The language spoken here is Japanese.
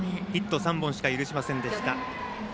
ヒット３本しか許しませんでした。